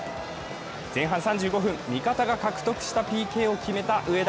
前半３５分、味方が獲得したＰＫを決めた上田。